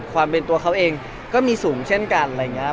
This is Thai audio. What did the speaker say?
ความเป็นตัวเขาเองก็มีสูงเช่นกันอะไรอย่างนี้ครับ